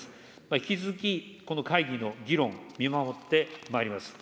引き続きこの会議の議論、見守ってまいります。